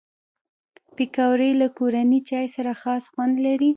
پکورې له کورني چای سره خاص خوند لري